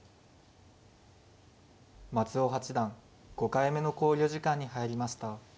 松尾八段５回目の考慮時間に入りました。